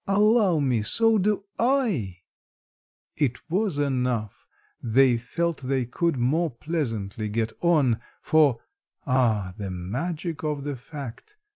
"Allow me, so do I." It was enough: they felt they could more pleasantly get on, For (ah, the magic of the fact!)